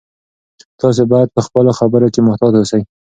تاسي باید په خپلو خبرو کې محتاط اوسئ.